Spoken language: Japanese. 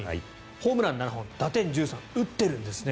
ホームラン７本、打点１３打ってるんですね。